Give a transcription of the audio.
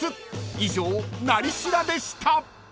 ［以上「なり調」でした］